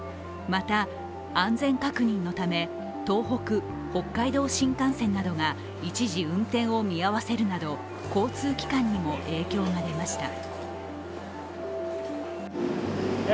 また、安全確認のため、東北、北海道新幹線などが一時運転を見合わせるなど、交通機関にも影響が出ました。